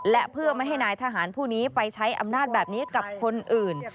และเพื่อไม่ให้นายทหารผู้นี้ไปใช้อำนาจแบบนี้กับคนอื่น